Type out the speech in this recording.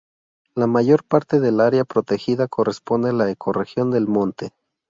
La mayor parte del área protegida corresponde a la ecorregión del monte.